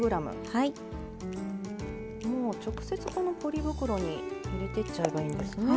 もう直接このポリ袋に入れていっちゃえばいいんですね。